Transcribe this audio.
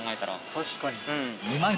確かに。